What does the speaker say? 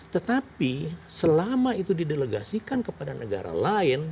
tetapi selama itu di delegasikan kepada negara lain